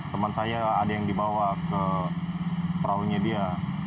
teman saya ada yang dibawa ke perahunya dia